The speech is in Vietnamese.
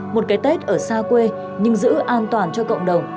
một cái tết ở xa quê nhưng giữ an toàn cho cộng đồng